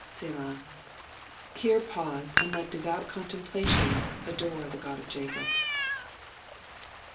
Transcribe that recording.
^"^Selah^ Here pause, and let devout contemplations adore the God of Jacob.